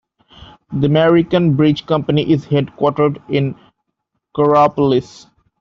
The American Bridge Company is headquartered in Coraopolis.